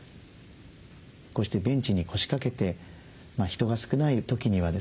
こうしてベンチに腰掛けて人が少ない時にはですね